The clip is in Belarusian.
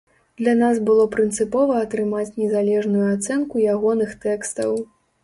Для нас было прынцыпова атрымаць незалежную ацэнку ягоных тэкстаў.